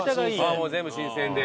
ああもう全部新鮮で。